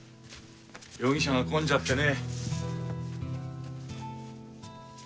夜汽車が混んじゃってね。